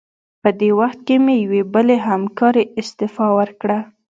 په دې وخت کې مې یوې بلې همکارې استعفا ورکړه.